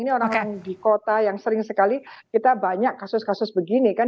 ini orang orang di kota yang sering sekali kita banyak kasus kasus begini kan